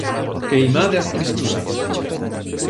Queimade as tristuras!